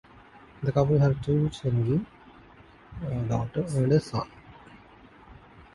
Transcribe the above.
The couple had two children, a daughter and a son.